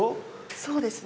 そうですね。